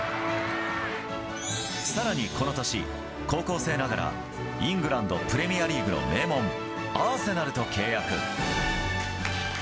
さらにこの年、高校生ながら、イングランドプレミアリーグの名門、アーセナルと契約。